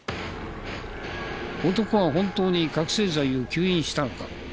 男は本当に覚醒剤を吸引したのか？